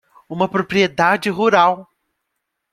Uma propriedade rural.